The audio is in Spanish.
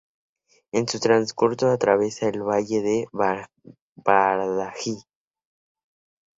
En su transcurso atraviesa el valle de Bardají.